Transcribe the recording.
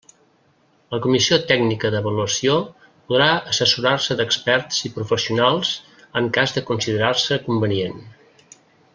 La comissió tècnica d'avaluació podrà assessorar-se d'experts i professionals, en cas de considerar-se convenient.